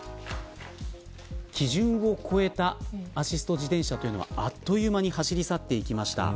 基準を超えたアシスト自転車はあっという間に走り去っていきました。